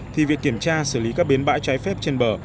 thì việc kiểm tra xử lý các biến bãi cháy phép trên bờ